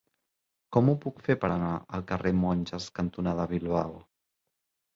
Com ho puc fer per anar al carrer Monges cantonada Bilbao?